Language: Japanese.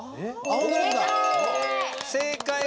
正解！